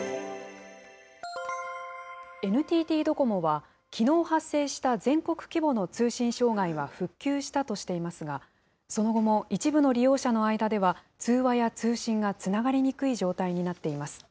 ＮＴＴドコモは、きのう発生した全国規模の通信障害は復旧したとしていますが、その後も一部の利用者の間では、通話や通信がつながりにくい状態になっています。